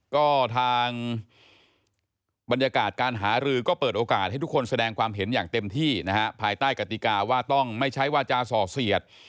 ก็ทางบรรยากาศการหารือก็เปิดโอกาสให้ทุกคนแสดงความเห็นอย่างเต็มที่นะฮะภายใต้กติกาว่าต้องไม่ใช้วาจาส่อเสียด